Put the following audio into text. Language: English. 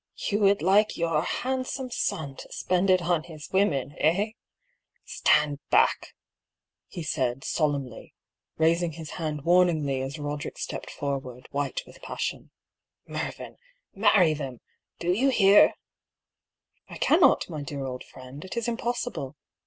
" You would like your handsome son to spend it on his women, eh? Stand back!" he said, solemnly, raising his hand warningly as Roderick A STARTLING PROPOSAL. 101 stepped forward, white with passion. " Mervyn, marry them ! Do you hear ?" "I cannot, my dear old friend; it is impossible.